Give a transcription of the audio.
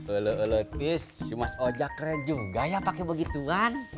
olah olah tis si mas oja keren juga ya pake begituan